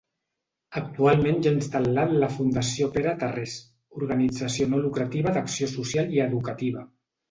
Actualment hi ha instal·lat la Fundació Pere Tarrés, organització no lucrativa d'acció social i educativa.